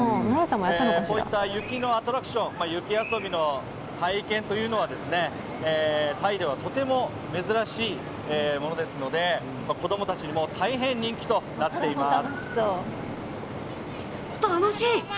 こういった雪のアトラクション、雪遊びの体験というのはタイではとても珍しいものですので、子供たちにも大変人気となっています。